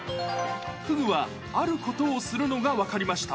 フグはあることをするのが分かりました。